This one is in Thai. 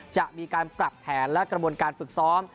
จะมีการปรับแผนและกระบวนการฝึกซ้อม